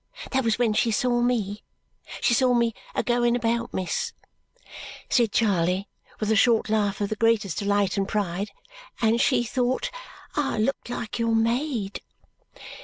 That was when she saw me. She saw me a going about, miss," said Charley with a short laugh of the greatest delight and pride, "and she thought I looked like your maid!"